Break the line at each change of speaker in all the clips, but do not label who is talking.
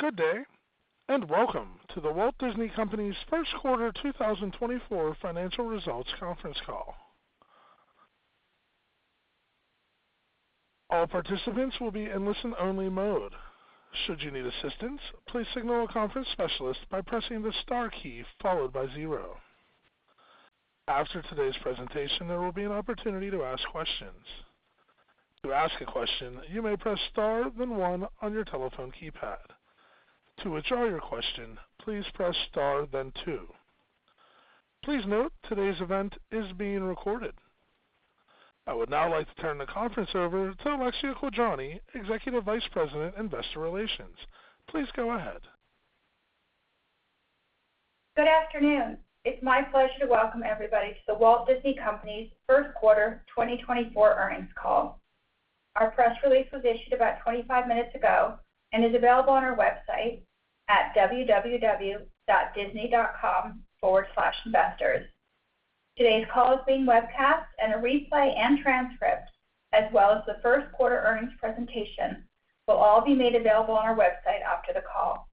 Good day, and welcome to The Walt Disney Company's first quarter 2024 financial results conference call. All participants will be in listen-only mode. Should you need assistance, please signal a conference specialist by pressing the star key followed by zero. After today's presentation, there will be an opportunity to ask questions. To ask a question, you may press star, then one on your telephone keypad. To withdraw your question, please press star then two. Please note, today's event is being recorded. I would now like to turn the conference over to Alexia Quadrani, Executive Vice President, Investor Relations. Please go ahead.
Good afternoon. It's my pleasure to welcome everybody to The Walt Disney Company's First Quarter 2024 Earnings Call. Our press release was issued about 25 minutes ago, and is available on our website at www.disney.com/investors. Today's call is being webcast and a replay and transcript, as well as the first quarter earnings presentation, will all be made available on our website after the call.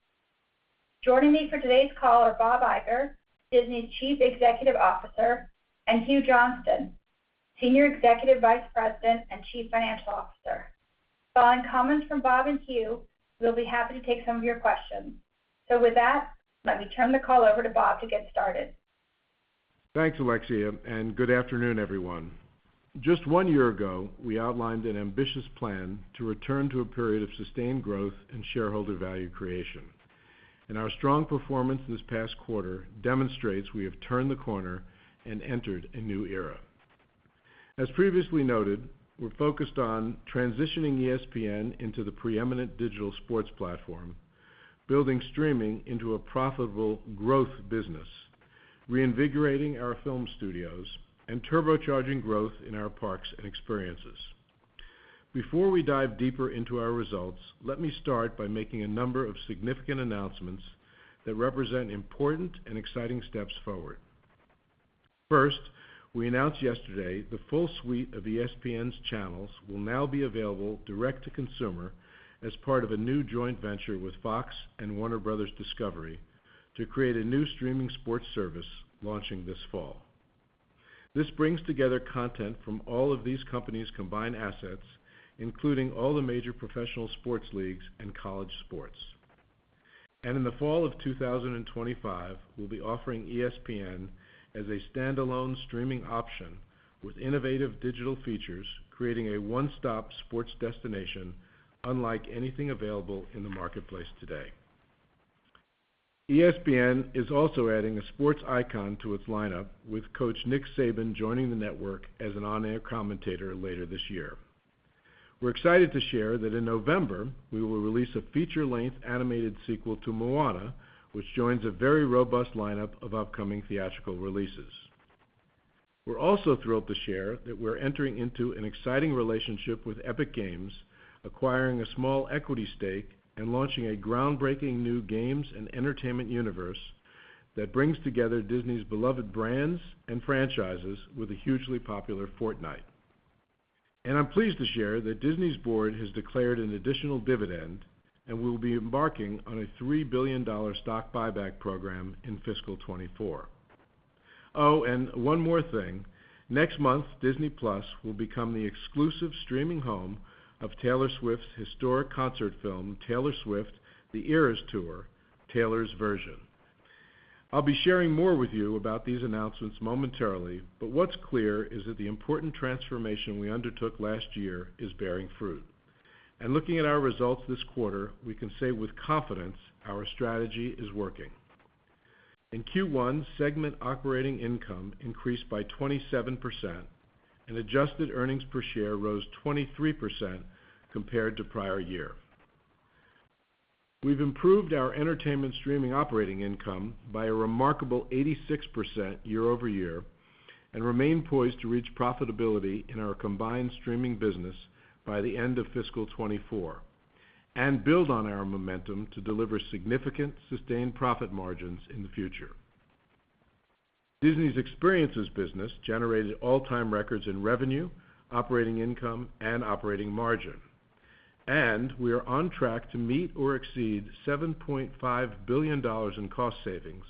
Joining me for today's call are Bob Iger, Disney's Chief Executive Officer, and Hugh Johnston, Senior Executive Vice President and Chief Financial Officer. Following comments from Bob and Hugh, we'll be happy to take some of your questions. With that, let me turn the call over to Bob to get started. Thanks, Alexia, and good afternoon, everyone. Just one year ago, we outlined an ambitious plan to return to a period of sustained growth and shareholder value creation. Our strong performance this past quarter demonstrates we have turned the corner and entered a new era. As previously noted, we're focused on transitioning ESPN into the preeminent digital sports platform, building streaming into a profitable growth business, reinvigorating our film studios, and turbocharging growth in our parks and Experiences. Before we dive deeper into our results, let me start by making a number of significant announcements that represent important and exciting steps forward. First, we announced yesterday the full suite of ESPN's channels will now be available direct to consumer as part of a new joint venture with Fox and Warner Bros. Discovery to create a new streaming sports service launching this fall. This brings together content from all of these companies' combined assets, including all the major professional sports leagues and college sports. In the fall of 2025, we'll be offering ESPN as a standalone streaming option with innovative digital features, creating a one-stop sports destination unlike anything available in the marketplace today. ESPN is also adding a sports icon to its lineup, with Coach Nick Saban joining the network as an on-air commentator later this year. We're excited to share that in November, we will release a feature-length animated sequel to Moana, which joins a very robust lineup of upcoming theatrical releases. We're also thrilled to share that we're entering into an exciting relationship with Epic Games, acquiring a small equity stake and launching a groundbreaking new games and entertainment universe that brings together Disney's beloved brands and franchises with the hugely popular Fortnite. I'm pleased to share that Disney's Board has declared an additional dividend, and we'll be embarking on a $3 billion stock buyback program in fiscal 2024. Oh, and one more thing. Next month, Disney+ will become the exclusive streaming home of Taylor Swift's historic concert film, Taylor Swift: The Eras Tour, Taylor's Version. I'll be sharing more with you about these announcements momentarily, but what's clear is that the important transformation we undertook last year is bearing fruit. Looking at our results this quarter, we can say with confidence our strategy is working. In Q1, segment operating income increased by 27%, and adjusted earnings per share rose 23% compared to prior year. We've improved our entertainment streaming operating income by a remarkable 86% year-over-year, and remain poised to reach profitability in our combined streaming business by the end of fiscal 2024, and build on our momentum to deliver significant, sustained profit margins in the future. Disney's Experiences business generated all-time records in revenue, operating income, and operating margin. We are on track to meet or exceed $7.5 billion in cost savings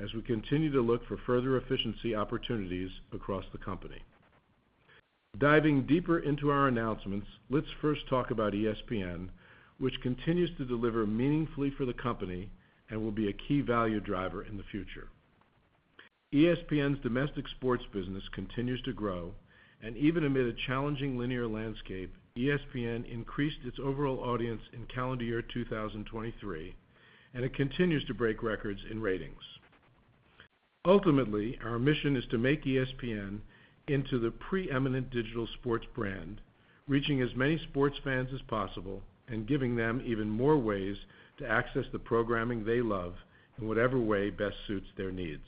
as we continue to look for further efficiency opportunities across the company. Diving deeper into our announcements, let's first talk about ESPN, which continues to deliver meaningfully for the company and will be a key value driver in the future. ESPN's domestic sports business continues to grow, and even amid a challenging linear landscape, ESPN increased its overall audience in calendar year 2023, and it continues to break records in ratings. Ultimately, our mission is to make ESPN into the preeminent digital sports brand, reaching as many sports fans as possible and giving them even more ways to access the programming they love in whatever way best suits their needs.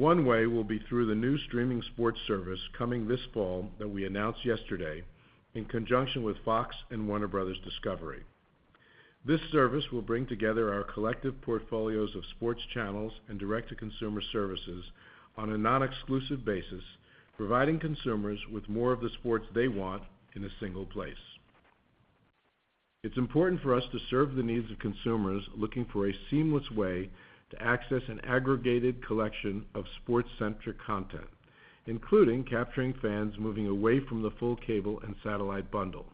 One way will be through the new streaming sports service coming this fall that we announced yesterday in conjunction with Fox and Warner Bros. Discovery. This service will bring together our collective portfolios of sports channels and Direct-to-Consumer services on a non-exclusive basis, providing consumers with more of the sports they want in a single place.... It's important for us to serve the needs of consumers looking for a seamless way to access an aggregated collection of sports-centric content, including capturing fans moving away from the full cable and satellite bundle.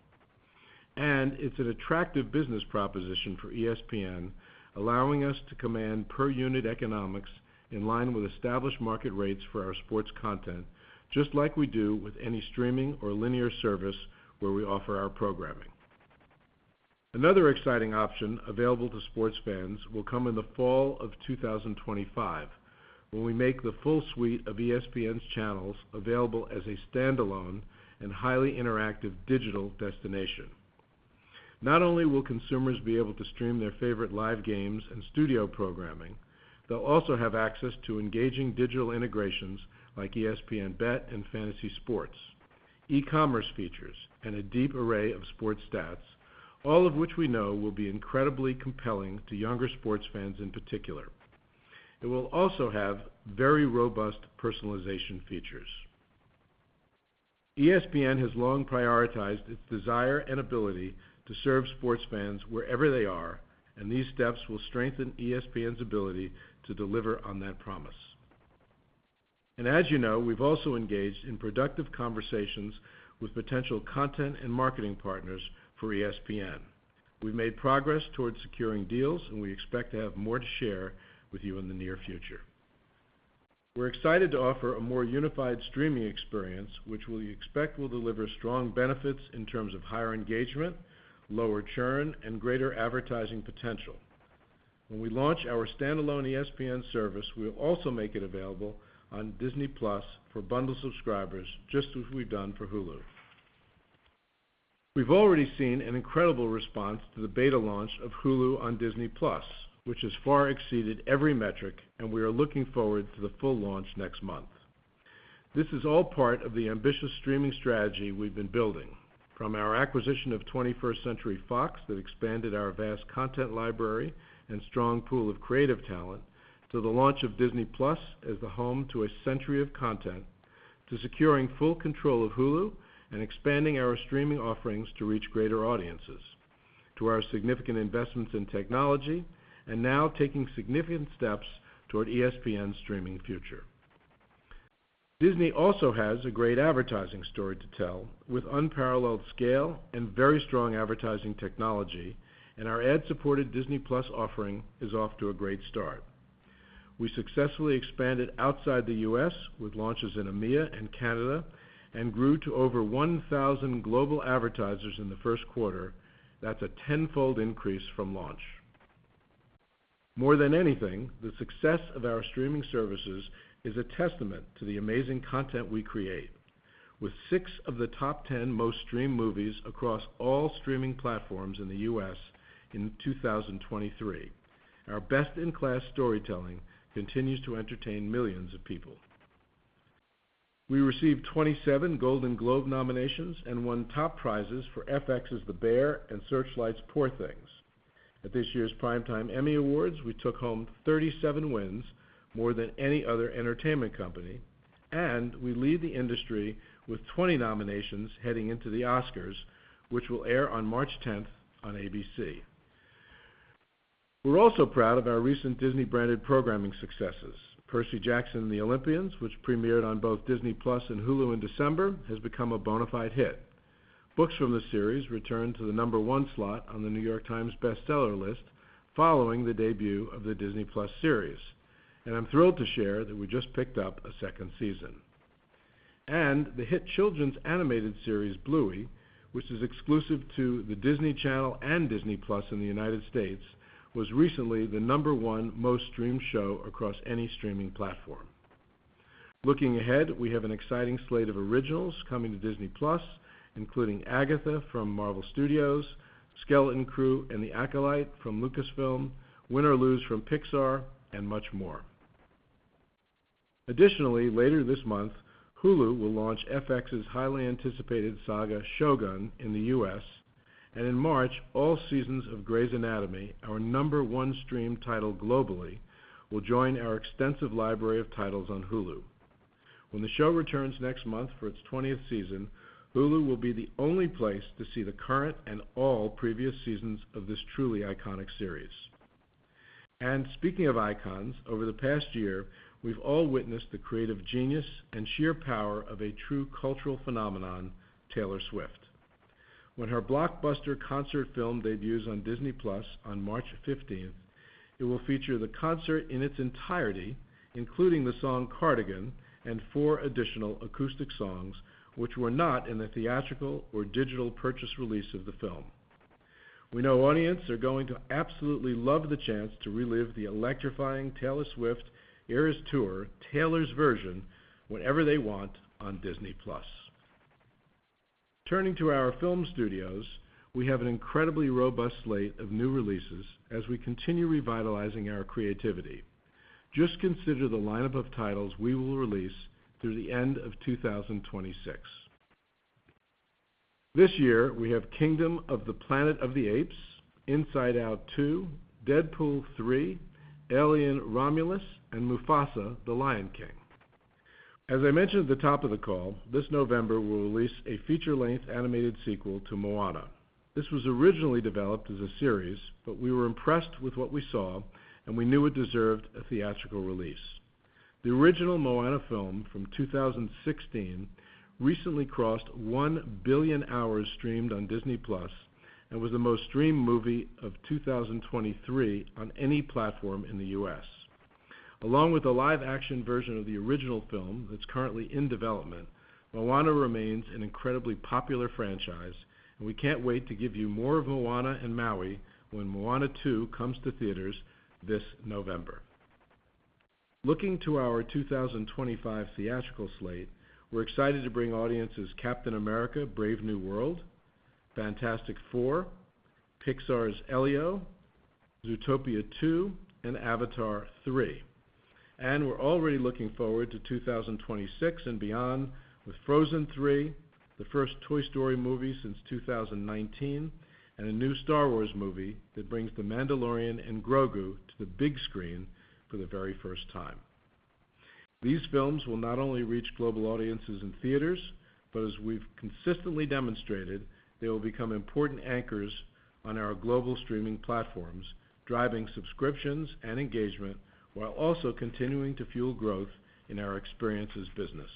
It's an attractive business proposition for ESPN, allowing us to command per-unit economics in line with established market rates for our sports content, just like we do with any streaming or linear service where we offer our programming. Another exciting option available to sports fans will come in the fall of 2025, when we make the full suite of ESPN's channels available as a standalone and highly interactive digital destination. Not only will consumers be able to stream their favorite live games and studio programming, they'll also have access to engaging digital integrations like ESPN Bet and Fantasy Sports, e-commerce features, and a deep array of sports stats, all of which we know will be incredibly compelling to younger sports fans in particular. It will also have very robust personalization features. ESPN has long prioritized its desire and ability to serve sports fans wherever they are, and these steps will strengthen ESPN's ability to deliver on that promise. And as you know, we've also engaged in productive conversations with potential content and marketing partners for ESPN. We've made progress towards securing deals, and we expect to have more to share with you in the near future. We're excited to offer a more unified streaming experience, which we expect will deliver strong benefits in terms of higher engagement, lower churn, and greater advertising potential. When we launch our standalone ESPN service, we will also make it available on Disney+ for bundle subscribers, just as we've done for Hulu. We've already seen an incredible response to the beta launch of Hulu on Disney+, which has far exceeded every metric, and we are looking forward to the full launch next month. This is all part of the ambitious streaming strategy we've been building, from our acquisition of 21st Century Fox that expanded our vast content library and strong pool of creative talent, to the launch of Disney+ as the home to a century of content, to securing full control of Hulu and expanding our streaming offerings to reach greater audiences, to our significant investments in technology, and now taking significant steps toward ESPN's streaming future. Disney also has a great advertising story to tell, with unparalleled scale and very strong advertising technology, and our ad-supported Disney+ offering is off to a great start. We successfully expanded outside the U.S. with launches in EMEA and Canada, and grew to over 1,000 global advertisers in the first quarter. That's a tenfold increase from launch. More than anything, the success of our streaming services is a testament to the amazing content we create. With 6 of the top 10 most-streamed movies across all streaming platforms in the US in 2023, our best-in-class storytelling continues to entertain millions of people. We received 27 Golden Globe nominations and won top prizes for FX's The Bear and Searchlight's Poor Things. At this year's Primetime Emmy Awards, we took home 37 wins, more than any other entertainment company, and we lead the industry with 20 nominations heading into the Oscars, which will air on March 10 on ABC. We're also proud of our recent Disney-branded programming successes. Percy Jackson and the Olympians, which premiered on both Disney+ and Hulu in December, has become a bona fide hit. Books from the series returned to the number 1 slot on The New York Times Best Seller list following the debut of the Disney+ series, and I'm thrilled to share that we just picked up a second season. The hit children's animated series, Bluey, which is exclusive to the Disney Channel and Disney+ in the United States, was recently the number one most-streamed show across any streaming platform. Looking ahead, we have an exciting slate of originals coming to Disney+, including Agatha from Marvel Studios, Skeleton Crew and The Acolyte from Lucasfilm, Win or Lose from Pixar, and much more. Additionally, later this month, Hulu will launch FX's highly anticipated saga, Shōgun, in the U.S., and in March, all seasons of Grey's Anatomy, our number one streamed title globally, will join our extensive library of titles on Hulu. When the show returns next month for its twentieth season, Hulu will be the only place to see the current and all previous seasons of this truly iconic series. And speaking of icons, over the past year, we've all witnessed the creative genius and sheer power of a true cultural phenomenon, Taylor Swift. When her blockbuster concert film debuts on Disney+ on March fifteenth, it will feature the concert in its entirety, including the song Cardigan and four additional acoustic songs, which were not in the theatrical or digital purchase release of the film. We know audiences are going to absolutely love the chance to relive the electrifying Taylor Swift Eras Tour: Taylor's Version, whenever they want on Disney+. Turning to our film studios, we have an incredibly robust slate of new releases as we continue revitalizing our creativity. Just consider the lineup of titles we will release through the end of 2026. This year, we have Kingdom of the Planet of the Apes, Inside Out 2, Deadpool 3, Alien: Romulus, and Mufasa: The Lion King. As I mentioned at the top of the call, this November, we'll release a feature-length animated sequel to Moana. This was originally developed as a series, but we were impressed with what we saw, and we knew it deserved a theatrical release. The original Moana film from 2016 recently crossed 1 billion hours streamed on Disney+, and was the most streamed movie of 2023 on any platform in the U.S. Along with the live-action version of the original film that's currently in development, Moana remains an incredibly popular franchise, and we can't wait to give you more of Moana and Maui when Moana 2 comes to theaters this November. Looking to our 2025 theatrical slate, we're excited to bring audiences Captain America: Brave New World, Fantastic Four, Pixar's Elio, Zootopia 2, and Avatar 3. We're already looking forward to 2026 and beyond, with Frozen 3, the first Toy Story movie since 2019, and a new Star Wars movie that brings The Mandalorian and Grogu to the big screen for the very first time. These films will not only reach global audiences in theaters, but as we've consistently demonstrated, they will become important anchors on our global streaming platforms, driving subscriptions and engagement, while also continuing to fuel growth in our Experiences business.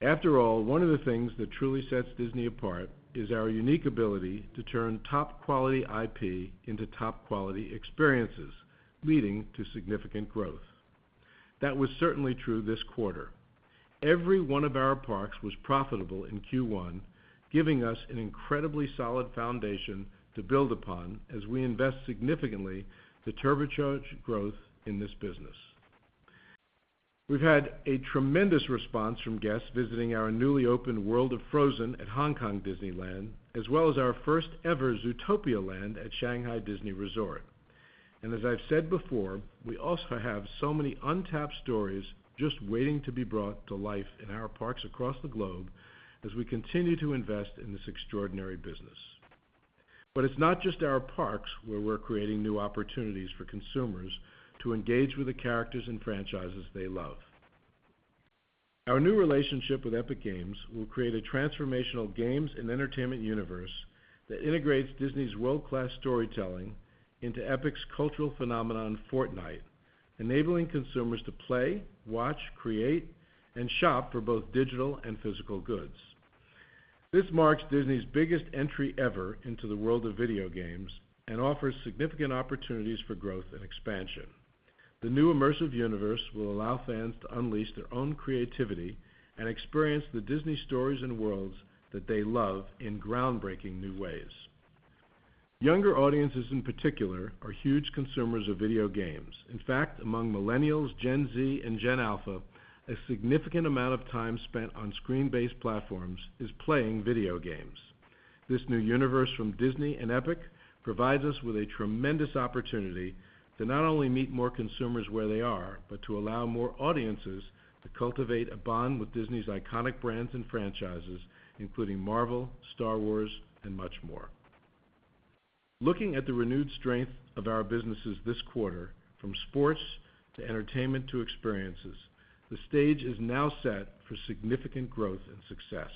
After all, one of the things that truly sets Disney apart is our unique ability to turn top-quality IP into top-quality Experiences, leading to significant growth. That was certainly true this quarter. Every one of our parks was profitable in Q1, giving us an incredibly solid foundation to build upon as we invest significantly to turbocharge growth in this business. We've had a tremendous response from guests visiting our newly opened World of Frozen at Hong Kong Disneyland, as well as our first-ever Zootopia Land at Shanghai Disney Resort. And as I've said before, we also have so many untapped stories just waiting to be brought to life in our parks across the globe as we continue to invest in this extraordinary business. But it's not just our parks where we're creating new opportunities for consumers to engage with the characters and franchises they love. Our new relationship with Epic Games will create a transformational games and entertainment universe that integrates Disney's world-class storytelling into Epic's cultural phenomenon, Fortnite, enabling consumers to play, watch, create, and shop for both digital and physical goods. This marks Disney's biggest entry ever into the world of video games and offers significant opportunities for growth and expansion. The new immersive universe will allow fans to unleash their own creativity and experience the Disney stories and worlds that they love in groundbreaking new ways. Younger audiences, in particular, are huge consumers of video games. In fact, among Millennials, Gen Z, and Gen Alpha, a significant amount of time spent on screen-based platforms is playing video games. This new universe from Disney and Epic provides us with a tremendous opportunity to not only meet more consumers where they are, but to allow more audiences to cultivate a bond with Disney's iconic brands and franchises, including Marvel, Star Wars, and much more. Looking at the renewed strength of our businesses this quarter, from sports to entertainment to Experiences, the stage is now set for significant growth and success.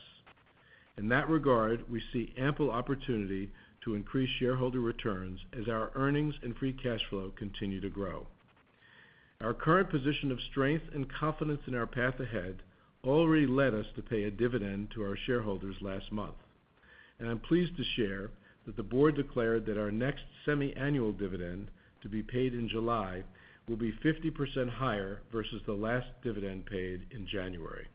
In that regard, we see ample opportunity to increase shareholder returns as our earnings and free cash flow continue to grow. Our current position of strength and confidence in our path ahead already led us to pay a dividend to our shareholders last month, and I'm pleased to share that the board declared that our next semiannual dividend, to be paid in July, will be 50% higher versus the last dividend paid in January.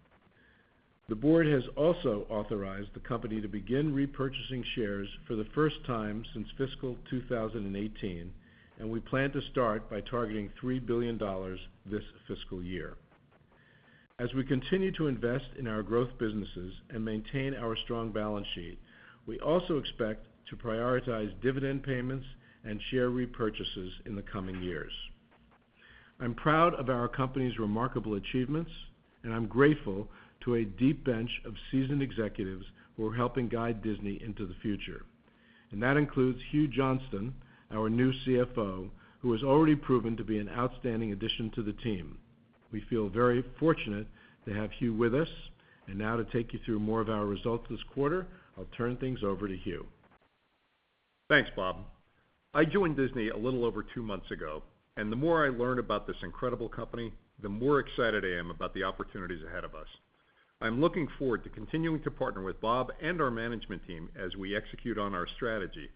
The Board has also authorized the company to begin repurchasing shares for the first time since fiscal 2018, and we plan to start by targeting $3 billion this fiscal year. As we continue to invest in our growth businesses and maintain our strong balance sheet, we also expect to prioritize dividend payments and share repurchases in the coming years. I'm proud of our company's remarkable achievements, and I'm grateful to a deep bench of seasoned executives who are helping guide Disney into the future. And that includes Hugh Johnston, our new CFO, who has already proven to be an outstanding addition to the team. We feel very fortunate to have Hugh with us, and now to take you through more of our results this quarter, I'll turn things over to Hugh.
Thanks, Bob. I joined Disney a little over two months ago, and the more I learn about this incredible company, the more excited I am about the opportunities ahead of us. I'm looking forward to continuing to partner with Bob and our management team as we execute on our strategy,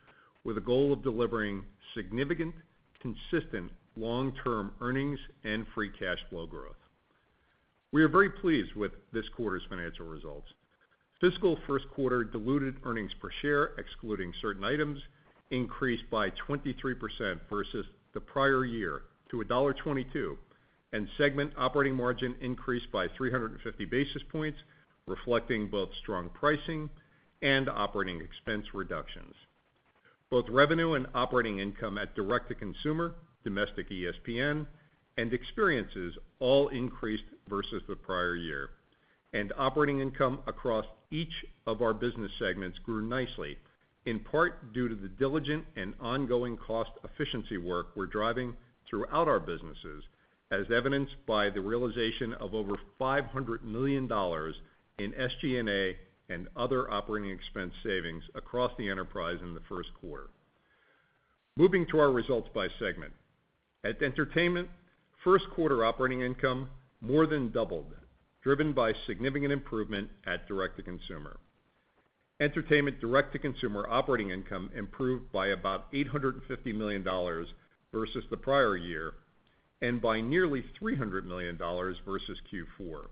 with a goal of delivering significant, consistent long-term earnings and free cash flow growth. We are very pleased with this quarter's financial results. Fiscal first quarter diluted earnings per share, excluding certain items, increased by 23% versus the prior year to $1.22, and segment operating margin increased by 350 basis points, reflecting both strong pricing and operating expense reductions. Both revenue and operating income at Direct-to-Consumer, domestic ESPN, and Experiences all increased versus the prior year. Operating income across each of our business segments grew nicely, in part due to the diligent and ongoing cost efficiency work we're driving throughout our businesses, as evidenced by the realization of over $500 million in SG&A and other operating expense savings across the enterprise in the first quarter. Moving to our results by segment. At Entertainment, first quarter operating income more than doubled, driven by significant improvement at Direct-to-Consumer. Entertainment Direct-to-Consumer operating income improved by about $850 million versus the prior year, and by nearly $300 million versus Q4,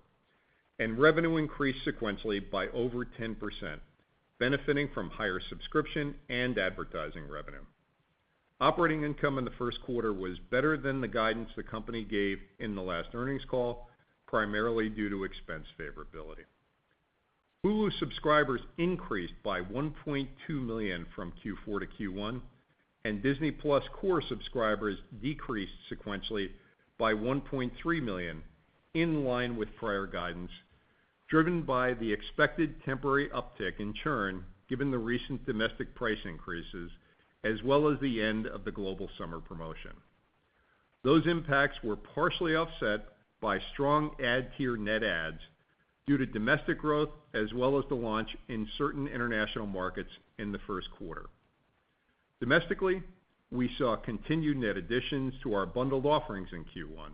and revenue increased sequentially by over 10%, benefiting from higher subscription and advertising revenue. Operating income in the first quarter was better than the guidance the company gave in the last earnings call, primarily due to expense favorability. Hulu subscribers increased by 1.2 million from Q4 to Q1, and Disney+ Core subscribers decreased sequentially by 1.3 million, in line with prior guidance, driven by the expected temporary uptick in churn, given the recent domestic price increases, as well as the end of the global summer promotion. Those impacts were partially offset by strong ad tier net adds due to domestic growth, as well as the launch in certain international markets in the first quarter. Domestically, we saw continued net additions to our bundled offerings in Q1,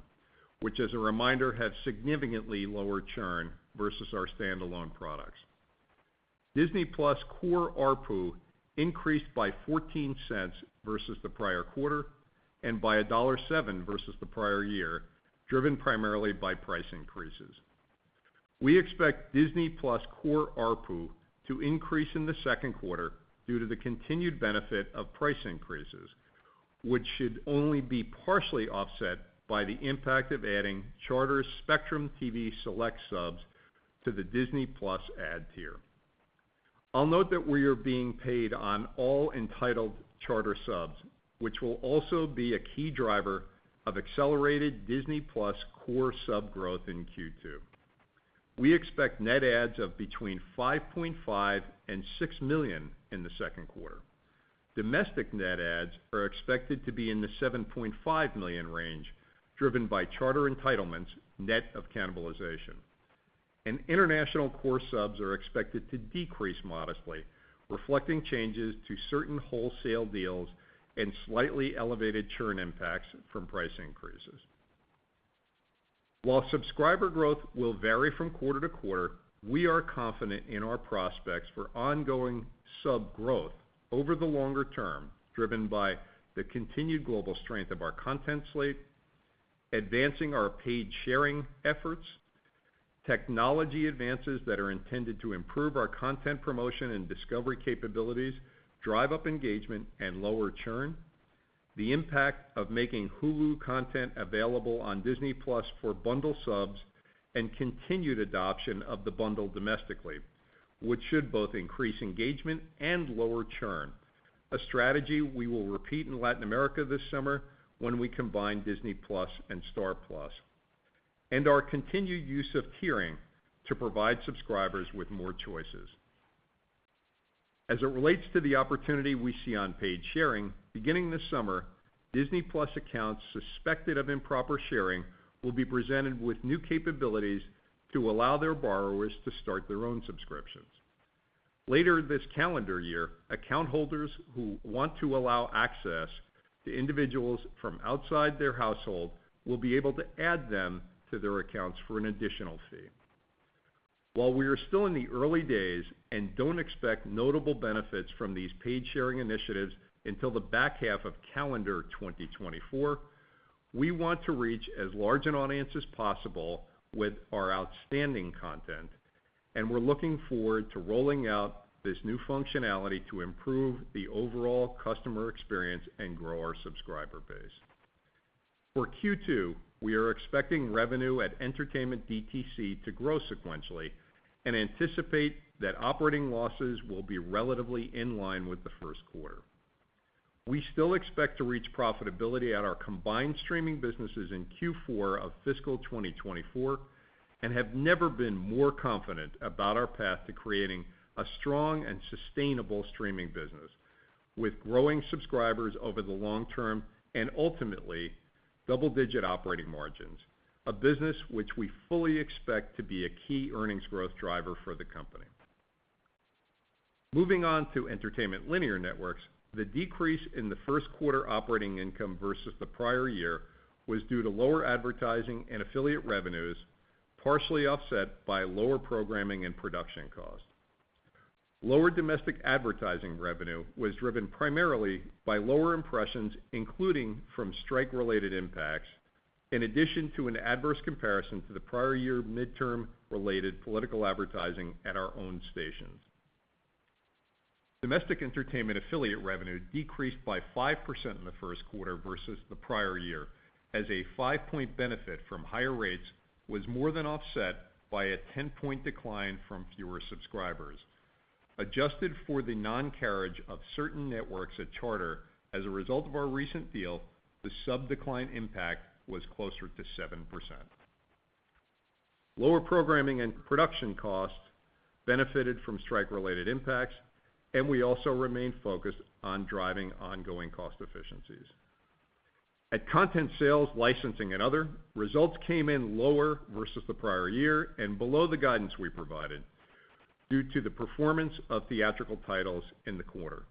which, as a reminder, have significantly lower churn versus our standalone products. Disney+ Core ARPU increased by $0.14 versus the prior quarter, and by $1.07 versus the prior year, driven primarily by price increases. We expect Disney+ Core ARPU to increase in the second quarter due to the continued benefit of price increases, which should only be partially offset by the impact of adding Charter Spectrum TV Select subs to the Disney+ ad tier. I'll note that we are being paid on all entitled Charter subs, which will also be a key driver of accelerated Disney+ Core sub growth in Q2. We expect net adds of between 5.5 and 6 million in the second quarter. Domestic net adds are expected to be in the 7.5 million range, driven by Charter entitlements, net of cannibalization. International core subs are expected to decrease modestly, reflecting changes to certain wholesale deals and slightly elevated churn impacts from price increases. While subscriber growth will vary from quarter to quarter, we are confident in our prospects for ongoing sub growth over the longer term, driven by the continued global strength of our content slate, advancing our paid sharing efforts, technology advances that are intended to improve our content promotion and discovery capabilities, drive up engagement and lower churn, the impact of making Hulu content available on Disney+ for bundle subs, and continued adoption of the bundle domestically, which should both increase engagement and lower churn, a strategy we will repeat in Latin America this summer when we combine Disney+ and Star+. Our continued use of tiering to provide subscribers with more choices. As it relates to the opportunity we see on paid sharing, beginning this summer, Disney+ accounts suspected of improper sharing will be presented with new capabilities to allow their borrowers to start their own subscriptions. Later this calendar year, account holders who want to allow access to individuals from outside their household will be able to add them to their accounts for an additional fee. While we are still in the early days and don't expect notable benefits from these paid sharing initiatives until the back half of calendar 2024, we want to reach as large an audience as possible with our outstanding content, and we're looking forward to rolling out this new functionality to improve the overall customer experience and grow our subscriber base. For Q2, we are expecting revenue at Entertainment DTC to grow sequentially and anticipate that operating losses will be relatively in line with the first quarter. We still expect to reach profitability at our combined streaming businesses in Q4 of fiscal 2024, and have never been more confident about our path to creating a strong and sustainable streaming business, with growing subscribers over the long term and ultimately, double-digit operating margins, a business which we fully expect to be a key earnings growth driver for the company. Moving on to Entertainment Linear Networks, the decrease in the first quarter operating income versus the prior year was due to lower advertising and affiliate revenues, partially offset by lower programming and production costs. Lower domestic advertising revenue was driven primarily by lower impressions, including from strike-related impacts, in addition to an adverse comparison to the prior year midterm-related political advertising at our own stations. Domestic entertainment affiliate revenue decreased by 5% in the first quarter versus the prior year, as a 5-point benefit from higher rates was more than offset by a 10-point decline from fewer subscribers, adjusted for the non-carriage of certain networks at Charter as a result of our recent deal, the sub decline impact was closer to 7%. Lower programming and production costs benefited from strike-related impacts, and we also remained focused on driving ongoing cost efficiencies. At Content Sales, Licensing, and Other, results came in lower versus the prior year and below the guidance we provided due to the performance of theatrical titles in the quarter.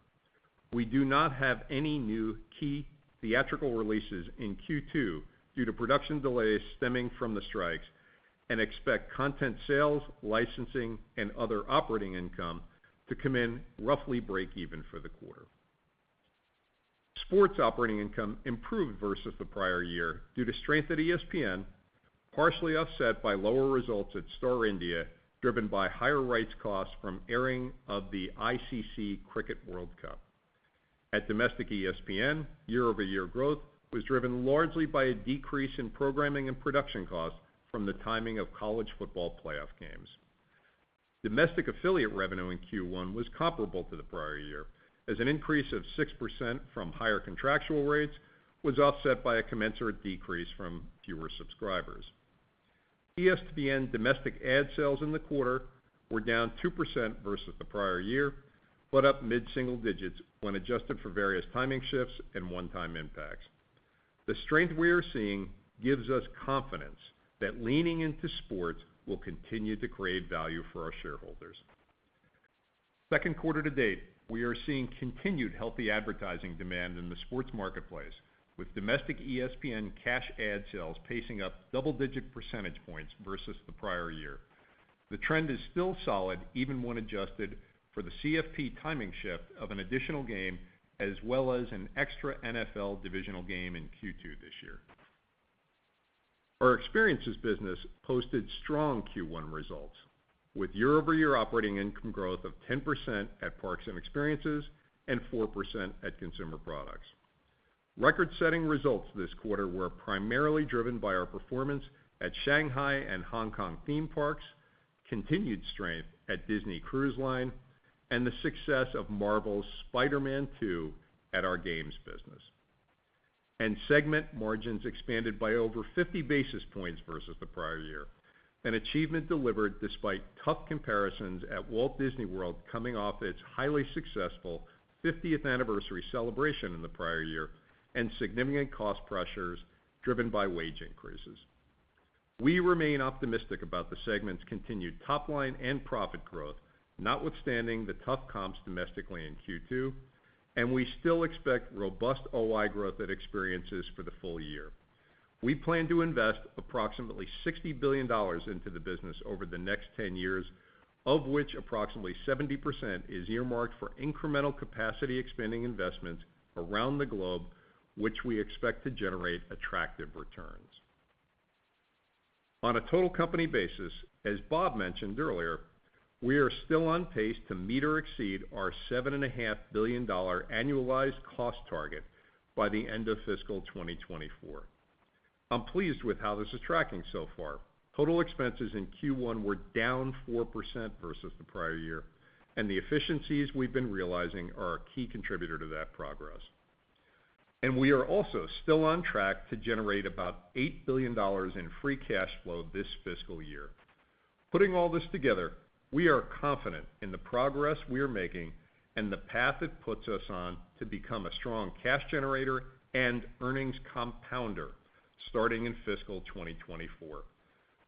We do not have any new key theatrical releases in Q2 due to production delays stemming from the strikes and expect Content Sales, Licensing, and Other operating income to come in roughly breakeven for the quarter. Sports operating income improved versus the prior year due to strength at ESPN, partially offset by lower results at Star India, driven by higher rights costs from airing of the ICC Cricket World Cup. At domestic ESPN, year-over-year growth was driven largely by a decrease in programming and production costs from the timing of College Football Playoff games. Domestic affiliate revenue in Q1 was comparable to the prior year, as an increase of 6% from higher contractual rates was offset by a commensurate decrease from fewer subscribers. ESPN domestic ad sales in the quarter were down 2% versus the prior year, but up mid-single digits when adjusted for various timing shifts and one-time impacts. The strength we are seeing gives us confidence that leaning into sports will continue to create value for our shareholders. Second quarter to date, we are seeing continued healthy advertising demand in the sports marketplace, with domestic ESPN cash ad sales pacing up double-digit percentage points versus the prior year. The trend is still solid, even when adjusted for the CFP timing shift of an additional game, as well as an extra NFL divisional game in Q2 this year. Our Experiences business posted strong Q1 results, with year-over-year operating income growth of 10% at Parks and Experiences and 4% at Consumer Products. Record-setting results this quarter were primarily driven by our performance at Shanghai and Hong Kong theme parks, continued strength at Disney Cruise Line, and the success of Marvel's Spider-Man 2 at our games business. Segment margins expanded by over 50 basis points versus the prior year, an achievement delivered despite tough comparisons at Walt Disney World coming off its highly successful 50th Anniversary celebration in the prior year and significant cost pressures driven by wage increases. We remain optimistic about the segment's continued top line and profit growth, notwithstanding the tough comps domestically in Q2, and we still expect robust OI growth at Experiences for the full year. We plan to invest approximately $60 billion into the business over the next 10 years, of which approximately 70% is earmarked for incremental capacity expanding investments around the globe, which we expect to generate attractive returns. On a total company basis, as Bob mentioned earlier, we are still on pace to meet or exceed our $7.5 billion annualized cost target by the end of fiscal 2024. I'm pleased with how this is tracking so far. Total expenses in Q1 were down 4% versus the prior year, and the efficiencies we've been realizing are a key contributor to that progress. We are also still on track to generate about $8 billion in free cash flow this fiscal year. Putting all this together, we are confident in the progress we are making and the path it puts us on to become a strong cash generator and earnings compounder starting in fiscal 2024.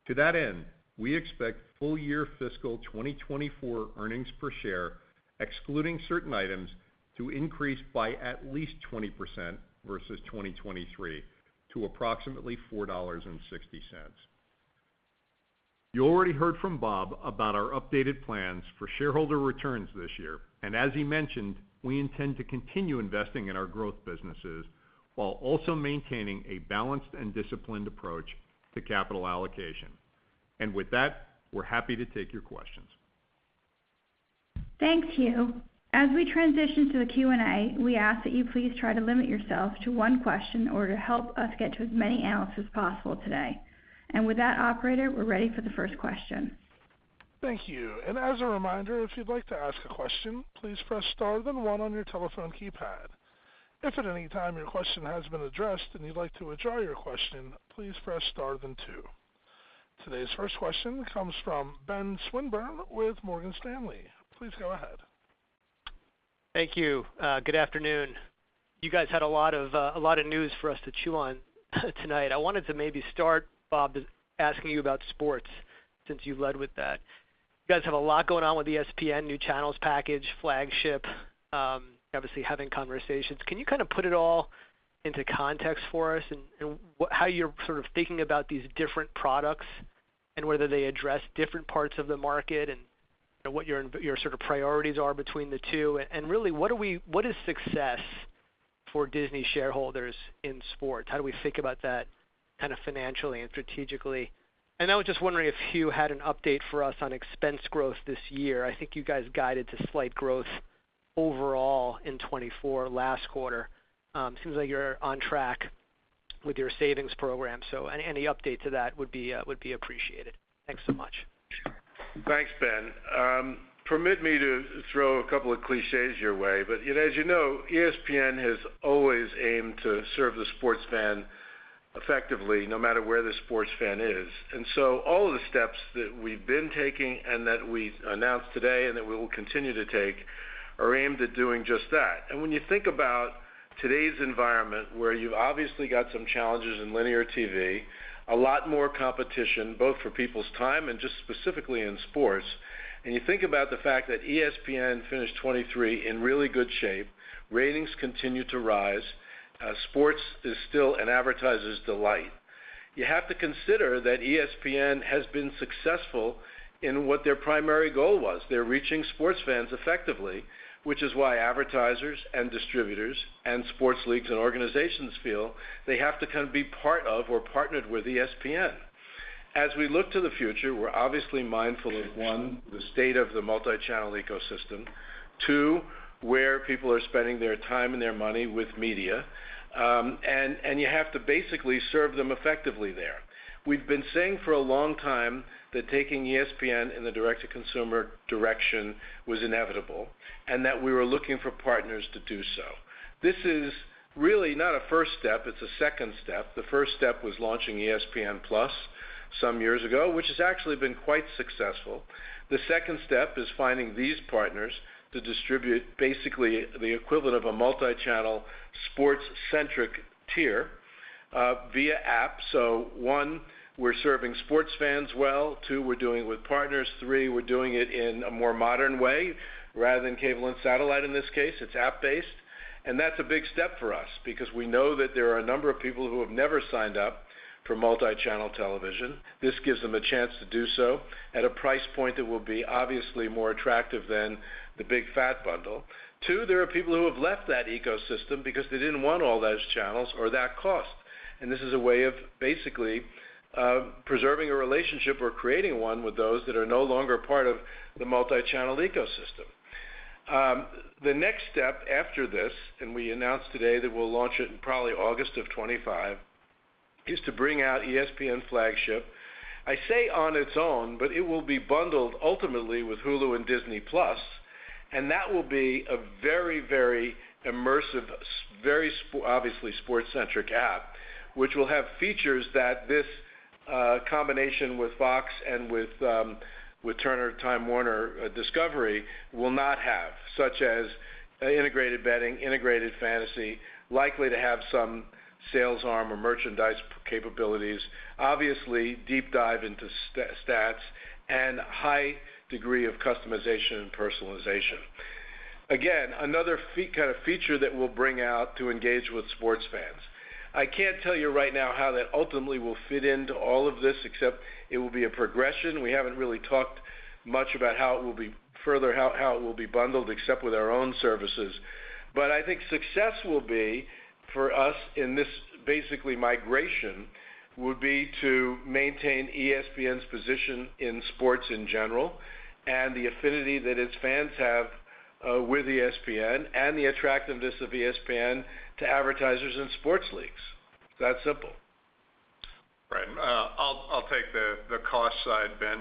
To that end, we expect full-year fiscal 2024 earnings per share, excluding certain items, to increase by at least 20% versus 2023 to approximately $4.60. You already heard from Bob about our updated plans for shareholder returns this year, and as he mentioned, we intend to continue investing in our growth businesses while also maintaining a balanced and disciplined approach to capital allocation. With that, we're happy to take your questions.
Thanks, Hugh. As we transition to the Q&A, we ask that you please try to limit yourself to one question in order to help us get to as many analysts as possible today. And with that, operator, we're ready for the first question.
Thank you. And as a reminder, if you'd like to ask a question, please press star then one on your telephone keypad. If at any time your question has been addressed and you'd like to withdraw your question, please press star then two. Today's first question comes from Ben Swinburne with Morgan Stanley. Please go ahead.
Thank you. Good afternoon. You guys had a lot of, a lot of news for us to chew on tonight. I wanted to maybe start, Bob, just asking you about sports since you led with that. You guys have a lot going on with ESPN, new channels package, flagship, obviously having conversations. Can you kind of put it all into context for us and how you're sort of thinking about these different products and whether they address different parts of the market and what your sort of priorities are between the two? And really, what is success for Disney shareholders in sports? How do we think about that kind of financially and strategically? And I was just wondering if Hugh had an update for us on expense growth this year. I think you guys guided to slight growth overall in 2024 last quarter. Seems like you're on track.... with your savings program. So any update to that would be appreciated. Thanks so much.
Thanks, Ben. Permit me to throw a couple of clichés your way, but as you know, ESPN has always aimed to serve the sports fan effectively, no matter where the sports fan is. And so all of the steps that we've been taking and that we announced today and that we will continue to take are aimed at doing just that. And when you think about today's environment, where you've obviously got some challenges in linear TV, a lot more competition, both for people's time and just specifically in sports, and you think about the fact that ESPN finished 23 in really good shape, ratings continue to rise, sports is still an advertiser's delight. You have to consider that ESPN has been successful in what their primary goal was. They're reaching sports fans effectively, which is why advertisers and distributors and sports leagues and organizations feel they have to kind of be part of or partnered with ESPN. As we look to the future, we're obviously mindful of, one, the state of the multi-channel ecosystem. Two, where people are spending their time and their money with media, and you have to basically serve them effectively there. We've been saying for a long time that taking ESPN in the Direct-to-Consumer direction was inevitable, and that we were looking for partners to do so. This is really not a first step, it's a second step. The first step was launching ESPN+ some years ago, which has actually been quite successful. The second step is finding these partners to distribute basically the equivalent of a multi-channel, sports-centric tier via app. So one, we're serving sports fans well. 2, we're doing it with partners. 3, we're doing it in a more modern way rather than cable and satellite. In this case, it's app-based. That's a big step for us because we know that there are a number of people who have never signed up for multi-channel television. This gives them a chance to do so at a price point that will be obviously more attractive than the big fat bundle. 2, there are people who have left that ecosystem because they didn't want all those channels or that cost, and this is a way of basically preserving a relationship or creating one with those that are no longer part of the multi-channel ecosystem. The next step after this, and we announced today that we'll launch it in probably August of 2025, is to bring out ESPN flagship. I say on its own, but it will be bundled ultimately with Hulu and Disney+, and that will be a very, very immersive, very sports-centric app, which will have features that this combination with Fox and with Turner, Time Warner, Discovery will not have, such as integrated betting, integrated fantasy, likely to have some sales arm or merchandise capabilities. Obviously, deep dive into stats and high degree of customization and personalization. Again, another kind of feature that we'll bring out to engage with sports fans. I can't tell you right now how that ultimately will fit into all of this, except it will be a progression. We haven't really talked much about how it will be further bundled, except with our own services. But I think success will be for us in this basically migration would be to maintain ESPN's position in sports in general, and the affinity that its fans have with ESPN and the attractiveness of ESPN to advertisers and sports leagues. It's that simple.
Right. I'll take the cost side, Ben.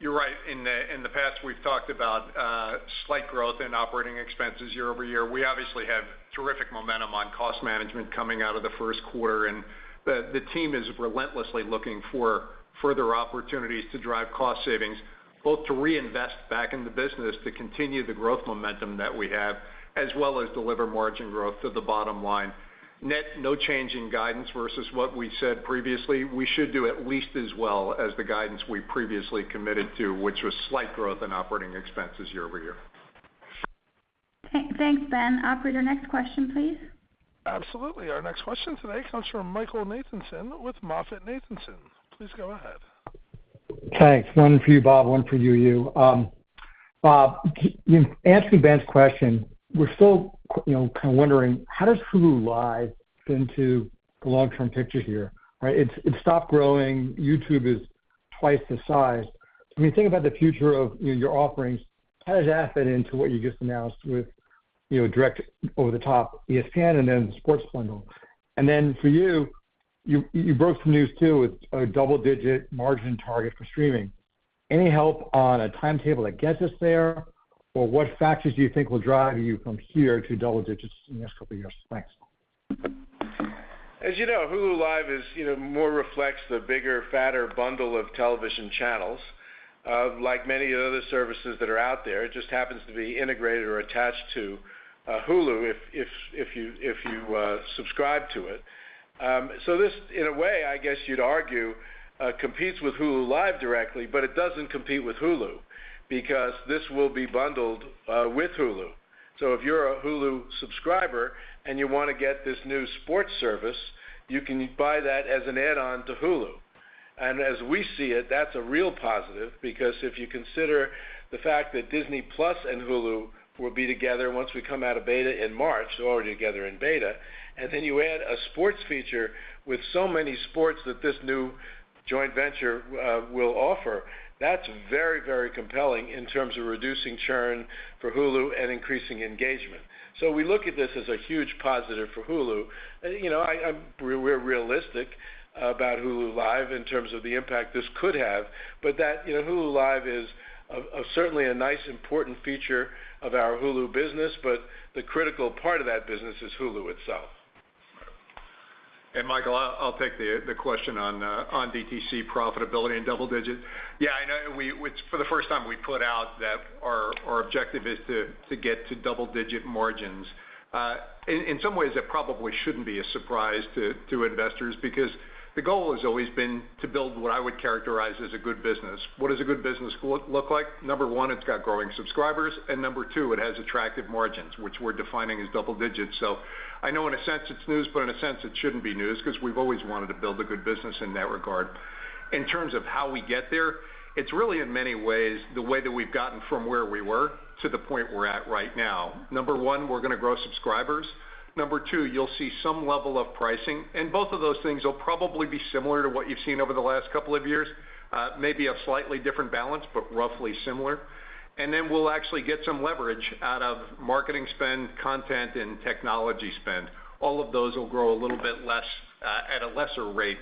You're right. In the past, we've talked about slight growth in operating expenses year-over-year. We obviously have terrific momentum on cost management coming out of the first quarter, and the team is relentlessly looking for further opportunities to drive cost savings, both to reinvest back in the business, to continue the growth momentum that we have, as well as deliver margin growth to the bottom line. Net, no change in guidance versus what we said previously. We should do at least as well as the guidance we previously committed to, which was slight growth in operating expenses year-over-year.
Thanks, Ben. Operator, next question, please.
Absolutely. Our next question today comes from Michael Nathanson with MoffettNathanson. Please go ahead.
Thanks. One for you, Bob, one for you, Hugh. Bob, in answering Ben's question, we're still you know, kind of wondering, how does Hulu Live fit into the long-term picture here, right? It stopped growing. YouTube is twice the size. When you think about the future of, you know, your offerings, how does that fit into what you just announced with, you know, direct over-the-top ESPN and then the sports bundle? And then for Hugh, you broke some news, too, with a double-digit margin target for streaming. Any help on a timetable that gets us there? Or what factors do you think will drive you from here to double digits in the next couple of years? Thanks.
As you know, Hulu Live is, you know, more reflects the bigger, fatter bundle of television channels. Like many other services that are out there, it just happens to be integrated or attached to Hulu if you subscribe to it. So this, in a way, I guess you'd argue, competes with Hulu Live directly, but it doesn't compete with Hulu because this will be bundled with Hulu. So if you're a Hulu subscriber and you want to get this new sports service, you can buy that as an add-on to Hulu. As we see it, that's a real positive because if you consider the fact that Disney+ and Hulu will be together once we come out of beta in March, they're already together in beta, and then you add a sports feature with so many sports that this new joint venture will offer, that's very, very compelling in terms of reducing churn for Hulu and increasing engagement. So we look at this as a huge positive for Hulu. And, you know, we're realistic about Hulu Live in terms of the impact this could have, but that, you know, Hulu Live is certainly a nice important feature of our Hulu business, but the critical part of that business is Hulu itself. ...
And Michael, I'll take the question on DTC profitability and double-digit. Yeah, I know, and we—which for the first time, we put out that our objective is to get to double-digit margins. In some ways, that probably shouldn't be a surprise to investors because the goal has always been to build what I would characterize as a good business. What does a good business look like? Number 1, it's got growing subscribers, and number 2, it has attractive margins, which we're defining as double digits. So I know in a sense, it's news, but in a sense, it shouldn't be news because we've always wanted to build a good business in that regard. In terms of how we get there, it's really, in many ways, the way that we've gotten from where we were to the point we're at right now. Number one, we're going to grow subscribers. Number two, you'll see some level of pricing, and both of those things will probably be similar to what you've seen over the last couple of years. Maybe a slightly different balance, but roughly similar. And then we'll actually get some leverage out of marketing spend, content, and technology spend. All of those will grow a little bit less at a lesser rate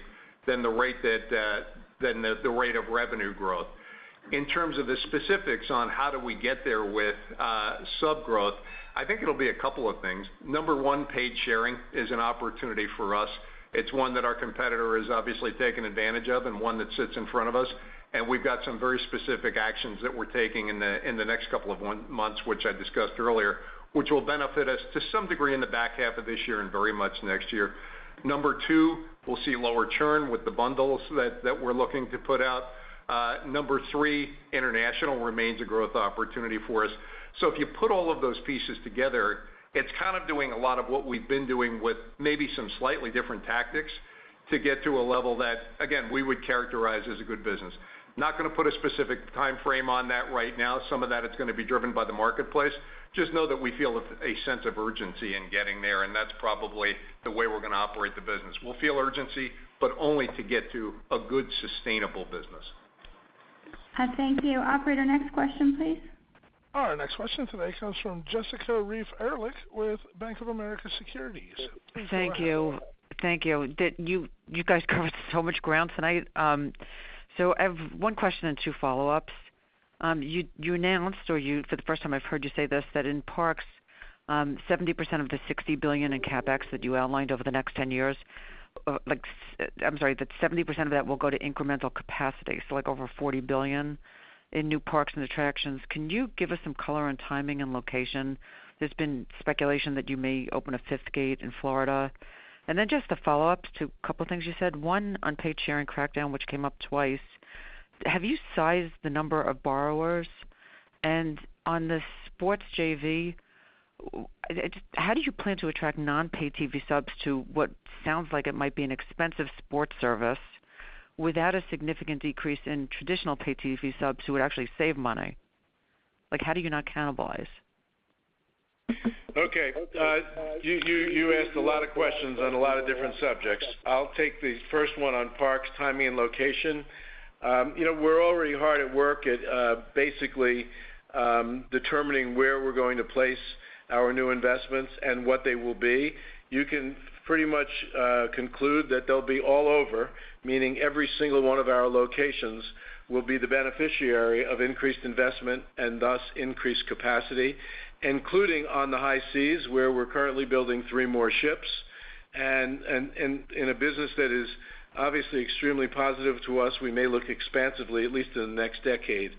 than the rate of revenue growth. In terms of the specifics on how do we get there with sub growth, I think it'll be a couple of things. Number one, paid sharing is an opportunity for us. It's one that our competitor has obviously taken advantage of and one that sits in front of us, and we've got some very specific actions that we're taking in the next couple of months, which I discussed earlier, which will benefit us to some degree in the back half of this year and very much next year. Number two, we'll see lower churn with the bundles that we're looking to put out. Number three, international remains a growth opportunity for us. So if you put all of those pieces together, it's kind of doing a lot of what we've been doing with maybe some slightly different tactics to get to a level that, again, we would characterize as a good business. Not going to put a specific time frame on that right now. Some of that is going to be driven by the marketplace. Just know that we feel a sense of urgency in getting there, and that's probably the way we're going to operate the business. We'll feel urgency, but only to get to a good, sustainable business.
Thank you. Operator, next question, please.
All right, next question today comes from Jessica Reif Ehrlich with Bank of America Securities.
Thank you. Thank you. You guys covered so much ground tonight. So I have one question and two follow-ups. You announced, or you, for the first time I've heard you say this, that in parks, 70% of the $60 billion in CapEx that you outlined over the next 10 years, I'm sorry, that 70% of that will go to incremental capacity. So like over $40 billion in new parks and attractions. Can you give us some color on timing and location? There's been speculation that you may open a 5th gate in Florida. And then just a follow-up to a couple of things you said. One, on paid sharing crackdown, which came up twice, have you sized the number of borrowers? On the sports JV, how do you plan to attract non-paid TV subs to what sounds like it might be an expensive sports service without a significant decrease in traditional paid TV subs who would actually save money? Like, how do you not cannibalize?
Okay. You asked a lot of questions on a lot of different subjects. I'll take the first one on parks, timing, and location. You know, we're already hard at work at basically determining where we're going to place our new investments and what they will be. You can pretty much conclude that they'll be all over, meaning every single one of our locations will be the beneficiary of increased investment and thus increased capacity, including on the high seas, where we're currently building three more ships. And in a business that is obviously extremely positive to us, we may look expansively, at least in the next decade,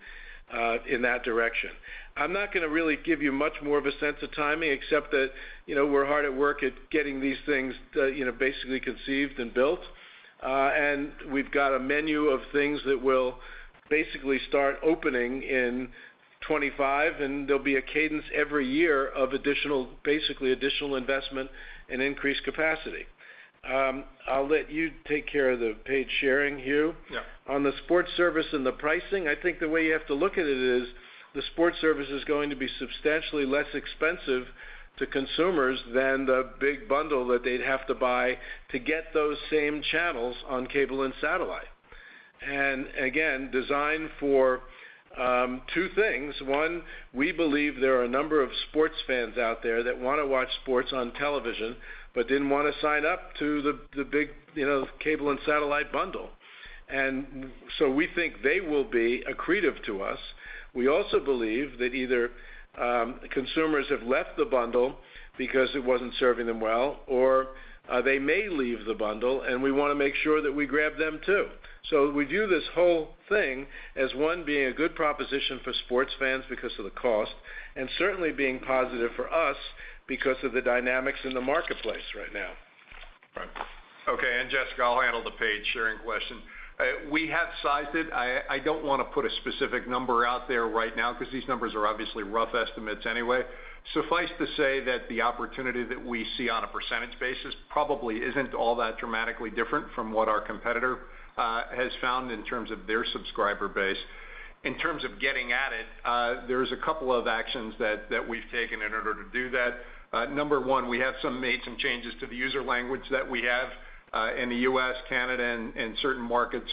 in that direction. I'm not going to really give you much more of a sense of timing, except that, you know, we're hard at work at getting these things, you know, basically conceived and built. And we've got a menu of things that will basically start opening in 2025, and there'll be a cadence every year of additional basically additional investment and increased capacity. I'll let you take care of the paid sharing, Hugh.
Yeah.
On the sports service and the pricing, I think the way you have to look at it is, the sports service is going to be substantially less expensive to consumers than the big bundle that they'd have to buy to get those same channels on cable and satellite. And again, designed for two things. One, we believe there are a number of sports fans out there that want to watch sports on television, but didn't want to sign up to the, the big, you know, cable and satellite bundle. And so we think they will be accretive to us. We also believe that either consumers have left the bundle because it wasn't serving them well, or they may leave the bundle, and we want to make sure that we grab them, too. So we view this whole thing as, one, being a good proposition for sports fans because of the cost, and certainly being positive for us because of the dynamics in the marketplace right now.
Right. Okay, and Jessica, I'll handle the paid sharing question. We have sized it. I don't want to put a specific number out there right now because these numbers are obviously rough estimates anyway. Suffice to say that the opportunity that we see on a percentage basis probably isn't all that dramatically different from what our competitor has found in terms of their subscriber base. In terms of getting at it, there's a couple of actions that we've taken in order to do that. Number one, we have made some changes to the user language that we have in the US, Canada, and certain markets,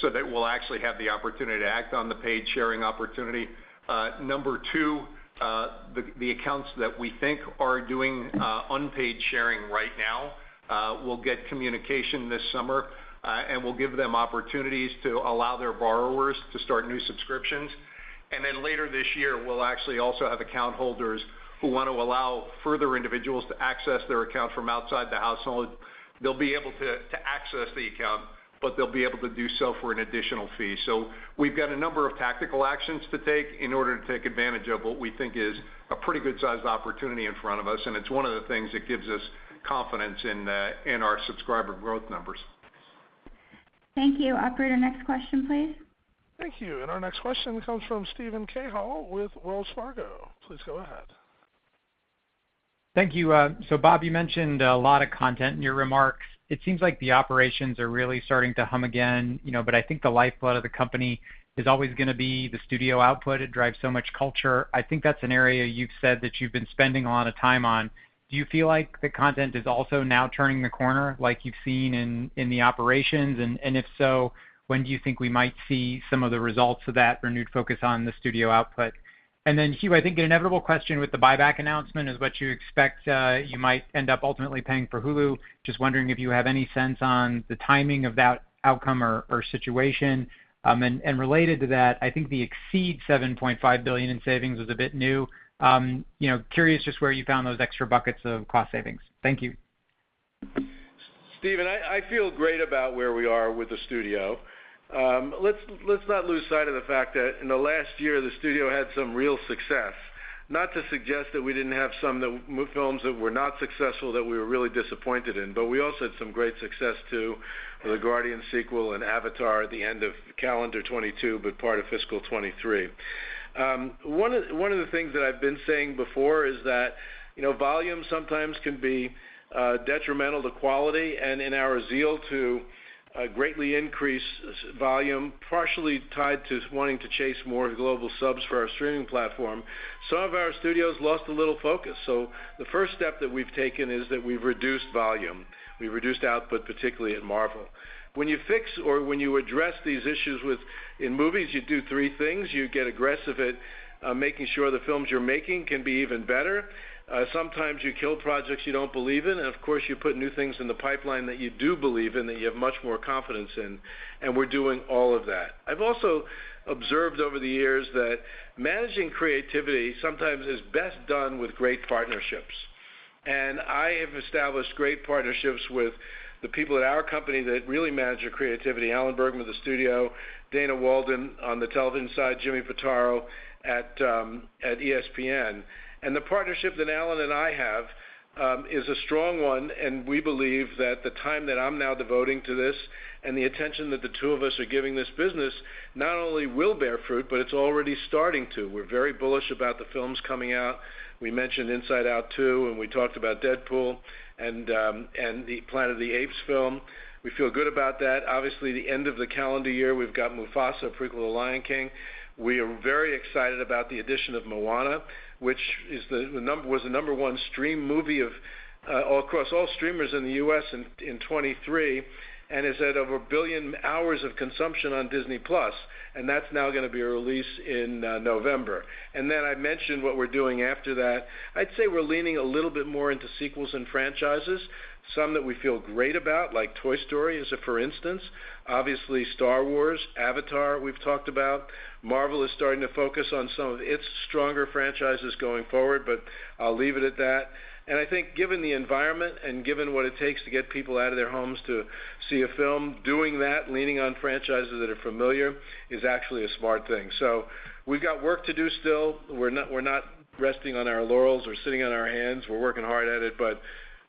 so that we'll actually have the opportunity to act on the paid sharing opportunity. Number 2, the accounts that we think are doing unpaid sharing right now will get communication this summer, and we'll give them opportunities to allow their borrowers to start new subscriptions.... and then later this year, we'll actually also have account holders who want to allow further individuals to access their account from outside the household. They'll be able to access the account, but they'll be able to do so for an additional fee. So we've got a number of tactical actions to take in order to take advantage of what we think is a pretty good-sized opportunity in front of us, and it's one of the things that gives us confidence in our subscriber growth numbers.
Thank you. Operator, next question, please.
Thank you. And our next question comes from Steven Cahall with Wells Fargo. Please go ahead.
Thank you. So Bob, you mentioned a lot of content in your remarks. It seems like the operations are really starting to hum again, you know, but I think the lifeblood of the company is always gonna be the studio output. It drives so much culture. I think that's an area you've said that you've been spending a lot of time on. Do you feel like the content is also now turning the corner, like you've seen in the operations? And if so, when do you think we might see some of the results of that renewed focus on the studio output? And then, Hugh, I think an inevitable question with the buyback announcement is what you expect you might end up ultimately paying for Hulu. Just wondering if you have any sense on the timing of that outcome or situation. And related to that, I think the exceeding $7.5 billion in savings is a bit new. You know, curious just where you found those extra buckets of cost savings. Thank you.
Steven, I feel great about where we are with the studio. Let's not lose sight of the fact that in the last year, the studio had some real success. Not to suggest that we didn't have some films that were not successful, that we were really disappointed in, but we also had some great success, too, with the Guardians sequel and Avatar at the end of calendar 2022, but part of fiscal 2023. One of the things that I've been saying before is that, you know, volume sometimes can be detrimental to quality. And in our zeal to greatly increase volume, partially tied to wanting to chase more global subs for our streaming platform, some of our studios lost a little focus. So the first step that we've taken is that we've reduced volume. We reduced output, particularly at Marvel. When you fix or when you address these issues with... In movies, you do three things: You get aggressive at making sure the films you're making can be even better, sometimes you kill projects you don't believe in, and of course, you put new things in the pipeline that you do believe in, that you have much more confidence in, and we're doing all of that. I've also observed over the years that managing creativity sometimes is best done with great partnerships, and I have established great partnerships with the people at our company that really manage our creativity, Alan Bergman of the studio, Dana Walden on the television side, Jimmy Pitaro at ESPN. And the partnership that Alan and I have is a strong one, and we believe that the time that I'm now devoting to this and the attention that the two of us are giving this business, not only will bear fruit, but it's already starting to. We're very bullish about the films coming out. We mentioned Inside Out 2, and we talked about Deadpool and the Planet of the Apes film. We feel good about that. Obviously, the end of the calendar year, we've got Mufasa, the prequel to The Lion King. We are very excited about the addition of Moana, which is the number one stream movie of across all streamers in the U.S. in 2023, and is at over 1 billion hours of consumption on Disney+, and that's now gonna be released in November. Then I mentioned what we're doing after that. I'd say we're leaning a little bit more into sequels and franchises, some that we feel great about, like Toy Story, as a for instance. Obviously, Star Wars, Avatar, we've talked about. Marvel is starting to focus on some of its stronger franchises going forward, but I'll leave it at that. I think given the environment and given what it takes to get people out of their homes to see a film, doing that, leaning on franchises that are familiar, is actually a smart thing. So we've got work to do still. We're not, we're not resting on our laurels or sitting on our hands. We're working hard at it, but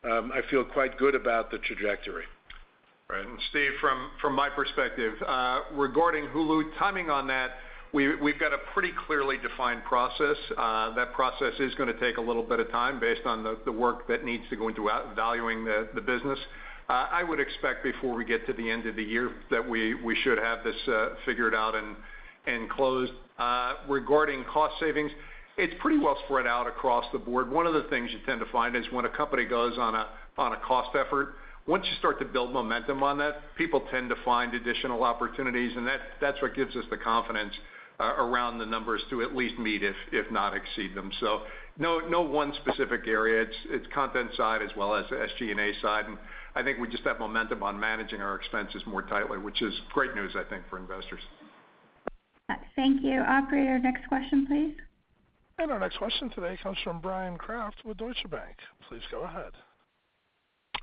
I feel quite good about the trajectory.
Right. And Steve, from my perspective, regarding Hulu, timing on that, we've got a pretty clearly defined process. That process is gonna take a little bit of time based on the work that needs to go into valuing the business. I would expect before we get to the end of the year, that we should have this figured out and closed. Regarding cost savings, it's pretty well spread out across the Board. One of the things you tend to find is when a company goes on a cost effort, once you start to build momentum on that, people tend to find additional opportunities, and that's what gives us the confidence around the numbers to at least meet, if not exceed them. So no one specific area. It's, it's content side as well as SG&A side, and I think we just have momentum on managing our expenses more tightly, which is great news, I think, for investors.
Thank you. Operator, next question, please.
Our next question today comes from Bryan Kraft with Deutsche Bank. Please go ahead.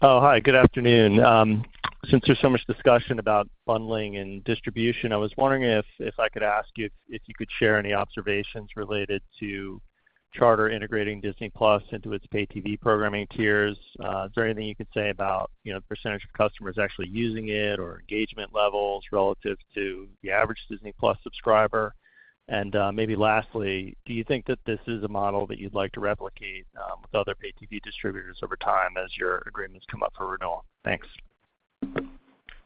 Oh, hi, good afternoon. Since there's so much discussion about bundling and distribution, I was wondering if I could ask you if you could share any observations related to Charter integrating Disney+ into its pay TV programming tiers. Is there anything you could say about, you know, percentage of customers actually using it or engagement levels relative to the average Disney+ subscriber? And maybe lastly, do you think that this is a model that you'd like to replicate with other pay TV distributors over time as your agreements come up for renewal? Thanks.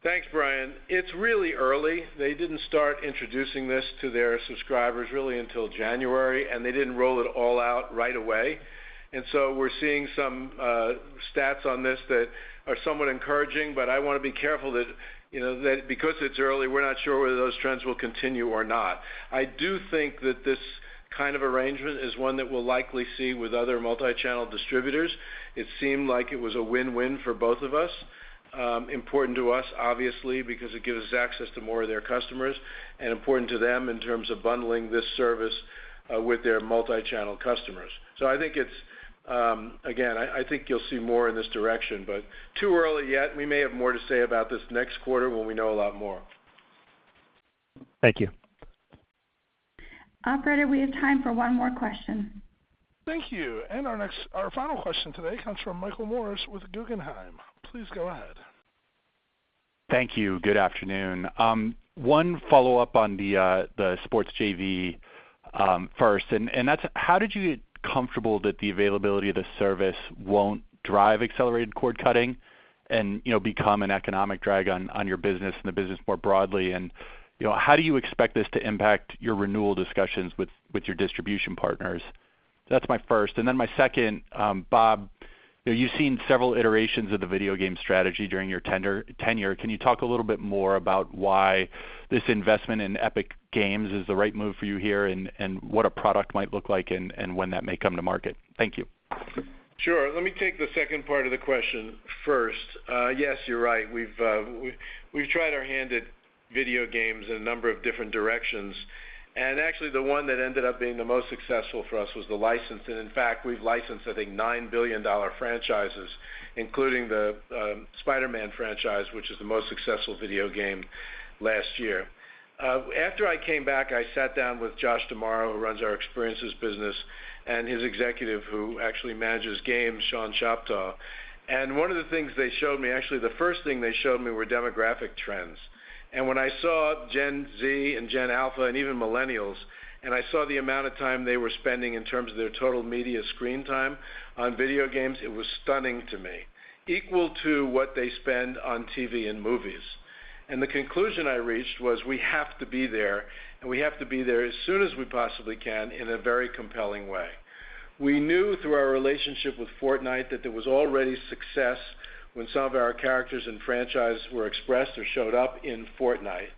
Thanks, Bryan. It's really early. They didn't start introducing this to their subscribers really until January, and they didn't roll it all out right away. So we're seeing some stats on this that are somewhat encouraging, but I wanna be careful that, you know, that because it's early, we're not sure whether those trends will continue or not. I do think that this kind of arrangement is one that we'll likely see with other multi-channel distributors. It seemed like it was a win-win for both of us. Important to us, obviously, because it gives us access to more of their customers, and important to them in terms of bundling this service with their multi-channel customers. So I think it's, again, I think you'll see more in this direction, but too early yet. We may have more to say about this next quarter when we know a lot more.
Thank you.
Operator, we have time for one more question.
Thank you. And our next-- our final question today comes from Michael Morris with Guggenheim. Please go ahead.
Thank you. Good afternoon. One follow-up on the sports JV, first, and that's: How did you get comfortable that the availability of the service won't drive accelerated cord-cutting and, you know, become an economic drag on your business and the business more broadly? And, you know, how do you expect this to impact your renewal discussions with your distribution partners? That's my first and then my second, Bob, you know, you've seen several iterations of the video game strategy during your tenure. Can you talk a little bit more about why this investment in Epic Games is the right move for you here, and what a product might look like and when that may come to market? Thank you.
Sure. Let me take the second part of the question first. Yes, you're right. We've tried our hand at video games in a number of different directions, and actually, the one that ended up being the most successful for us was the license. And in fact, we've licensed, I think, 9 billion-dollar franchises, including the Spider-Man franchise, which is the most successful video game last year. After I came back, I sat down with Josh D’Amaro, who runs our Experiences business, and his executive, who actually manages games, Sean Shoptaw. And one of the things they showed me, actually, the first thing they showed me were demographic trends. When I saw Gen Z and Gen Alpha and even Millennials, and I saw the amount of time they were spending in terms of their total media screen time on video games, it was stunning to me, equal to what they spend on TV and movies. The conclusion I reached was, we have to be there, and we have to be there as soon as we possibly can in a very compelling way. We knew through our relationship with Fortnite that there was already success when some of our characters and franchises were expressed or showed up in Fortnite.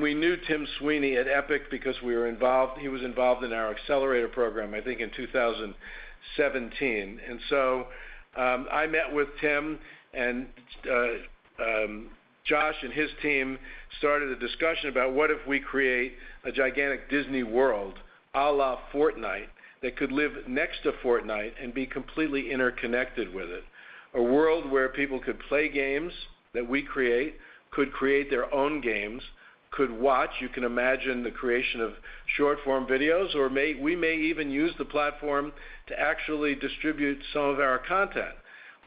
We knew Tim Sweeney at Epic because we were involved, he was involved in our accelerator program, I think, in 2017. I met with Tim, and Josh and his team started a discussion about what if we create a gigantic Disney world, a la Fortnite, that could live next to Fortnite and be completely interconnected with it. A world where people could play games that we create, could create their own games, could watch. You can imagine the creation of short-form videos, or we may even use the platform to actually distribute some of our content.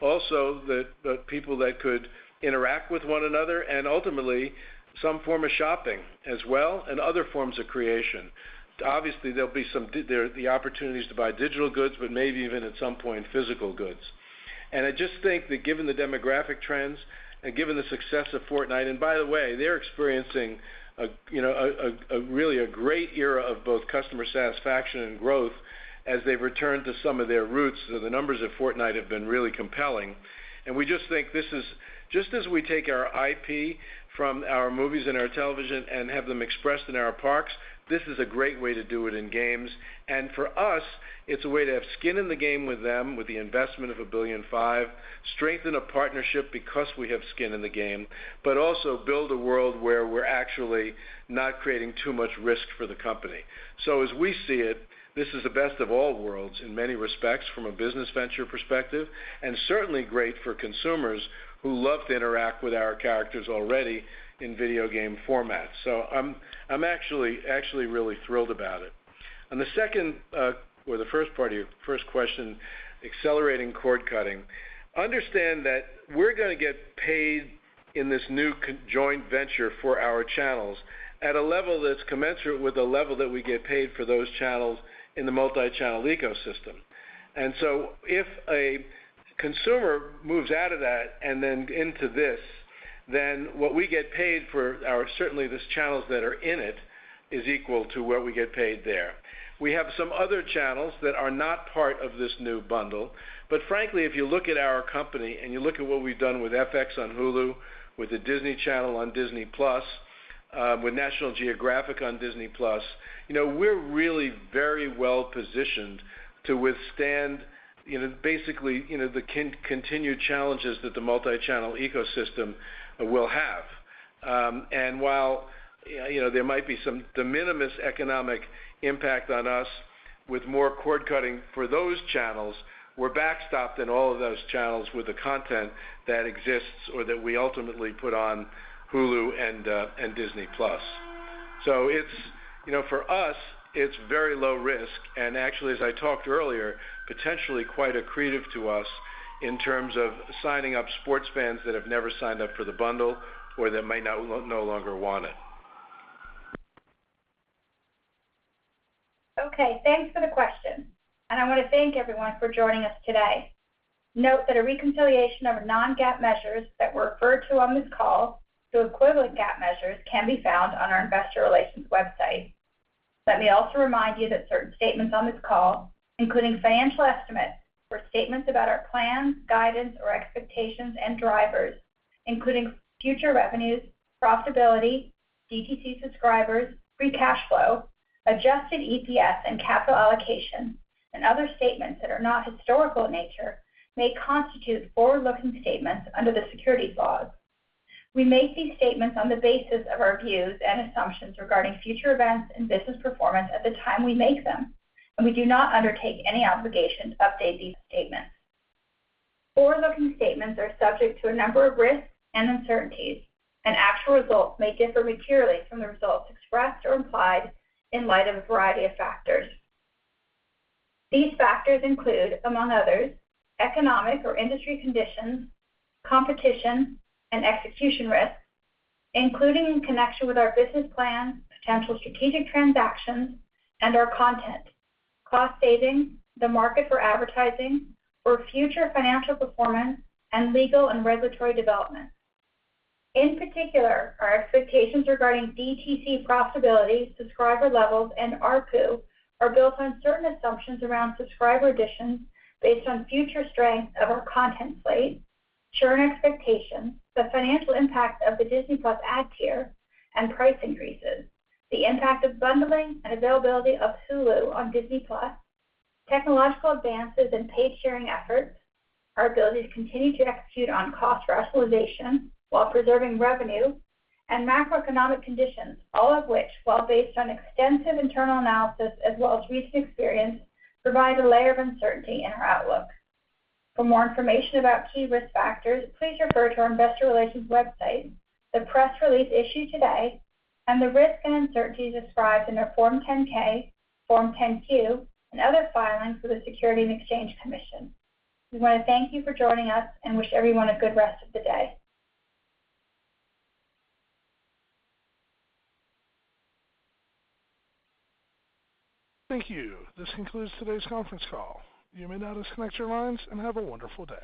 Also, the people that could interact with one another and ultimately some form of shopping as well, and other forms of creation. Obviously, there'll be some opportunities to buy digital goods, but maybe even at some point, physical goods. And I just think that given the demographic trends and given the success of Fortnite... By the way, they're experiencing a, you know, really great era of both customer satisfaction and growth as they've returned to some of their roots. So the numbers at Fortnite have been really compelling. And we just think this is just as we take our IP from our movies and our television and have them expressed in our parks, this is a great way to do it in games. And for us, it's a way to have skin in the game with them, with the investment of $1.5 billion, strengthen a partnership because we have skin in the game, but also build a world where we're actually not creating too much risk for the company. So as we see it, this is the best of all worlds in many respects from a business venture perspective, and certainly great for consumers who love to interact with our characters already in video game format. So I'm actually really thrilled about it. On the second or the first part of your first question, accelerating cord-cutting. Understand that we're gonna get paid in this new joint venture for our channels at a level that's commensurate with the level that we get paid for those channels in the multi-channel ecosystem. And so if a consumer moves out of that, and then into this, then what we get paid for our, certainly, these channels that are in it, is equal to what we get paid there. We have some other channels that are not part of this new bundle, but frankly, if you look at our company and you look at what we've done with FX on Hulu, with the Disney Channel on Disney+, with National Geographic on Disney+, you know, we're really very well positioned to withstand, you know, basically, you know, the continued challenges that the multi-channel ecosystem will have. And while, you know, there might be some de minimis economic impact on us with more cord-cutting for those channels, we're backstopped in all of those channels with the content that exists or that we ultimately put on Hulu and Disney+. So it's, you know, for us, it's very low risk, and actually, as I talked earlier, potentially quite accretive to us in terms of signing up sports fans that have never signed up for the bundle or that might no longer want it.
Okay, thanks for the question. I want to thank everyone for joining us today. Note that a reconciliation of non-GAAP measures that were referred to on this call to equivalent GAAP measures can be found on our investor relations website. Let me also remind you that certain statements on this call, including financial estimates or statements about our plans, guidance, or expectations including future revenues, profitability, DTC subscribers, free cash flow, adjusted EPS and capital allocation, and other statements that are not historical in nature may constitute forward-looking statements under the securities laws. We make these statements on the basis of our views and assumptions regarding future events and business performance at the time we make them, and we do not undertake any obligation to update these statements. Forward-looking statements are subject to a number of risks and uncertainties, and actual results may differ materially from the results expressed or implied in light of a variety of factors. These factors include, among others, economic or industry conditions, competition and execution risks, including in connection with our business plan, potential strategic transactions and our content, cost savings, the market for advertising or future financial performance and legal and regulatory developments. In particular, our expectations regarding DTC profitability, subscriber levels, and ARPU are built on certain assumptions around subscriber additions based on future strength of our content slate, churn expectations, the financial impact of the Disney+ ad tier and price increases, the impact of bundling and availability of Hulu on Disney+, technological advances in paid sharing efforts, our ability to continue to execute on cost rationalization while preserving revenue and macroeconomic conditions, all of which, while based on extensive internal analysis as well as recent experience, provide a layer of uncertainty in our outlook. For more information about key risk factors, please refer to our investor relations website, the press release issued today, and the risks and uncertainties described in our Form 10-K, Form 10-Q, and other filings with the Securities and Exchange Commission. We want to thank you for joining us and wish everyone a good rest of the day.
Thank you. This concludes today's conference call. You may now disconnect your lines and have a wonderful day.